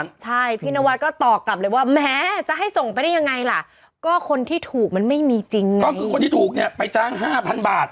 ไม่มีจริงไงก็คือคนที่ถูกไปจ้าง๕๐๐๐บาท